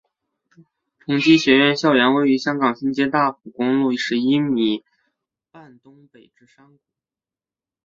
崇基学院校园位于香港新界大埔公路十一咪半东北之山谷。